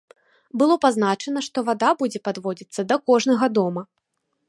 Было пазначана, што вада будзе падводзіцца да кожнага дома.